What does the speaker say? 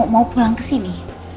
mau pulang kesini